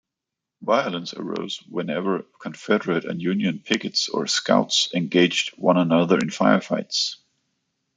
Violence arose whenever Confederate and Union pickets, or scouts, engaged one another in firefights.